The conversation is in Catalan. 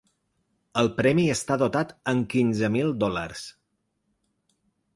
El premi està dotat amb quinze mil dòlars.